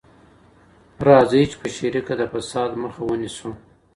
راځئ چي په شریکه د فساد مخه ونیسو.